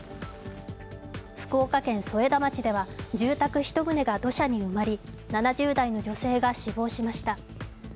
福岡県添田町では住宅１棟が土砂に埋まり、７０代の女性が死亡しました。